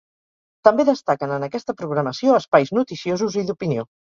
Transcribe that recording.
També destaquen en aquesta programació espais noticiosos i d'opinió.